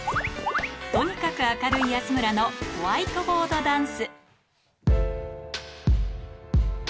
とにかく明るい安村のホワイトボードダンス。